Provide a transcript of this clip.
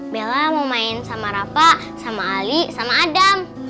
bella mau main sama rafa sama ali sama adam